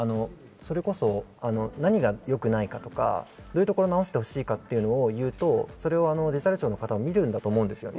何が良くないかとか、どういうところを直してほしいかというのを言うとデジタル庁の方が見ると思います。